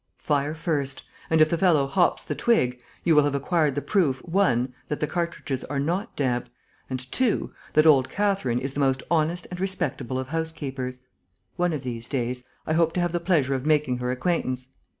Fire first; and, if the fellow hops the twig, you will have acquired the proof (1) that the cartridges are not damp; and (2) that old Catherine is the most honest and respectable of housekeepers. "One of these days, I hope to have the pleasure of making her acquaintance.